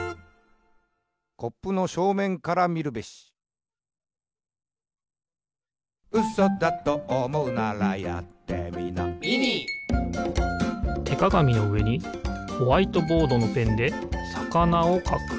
「コップのしょうめんからみるべし。」てかがみのうえにホワイトボードのペンでさかなをかく。